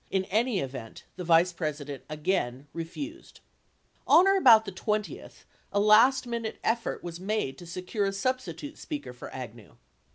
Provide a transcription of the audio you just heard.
In any event, the Vice President again refused. On or about the 20th, a last minute effort was made to secure a substitute speaker for Agnew.